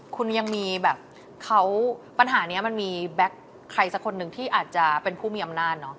คุณยังมีแบบเขาปัญหานี้มันมีแบ็คใครสักคนหนึ่งที่อาจจะเป็นผู้มีอำนาจเนอะ